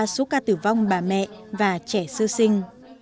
số ca tử vong bà mẹ và trẻ sư sinh